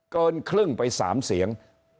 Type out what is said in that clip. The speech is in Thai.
เกินครึ่งไป๓เสียง